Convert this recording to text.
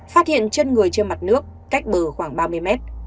phát hiện chân người trên mặt nước cách bờ khoảng ba mươi mét